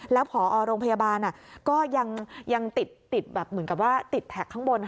แล้วผอโรงพยาบาลก็ยังติดแท็กข้างบน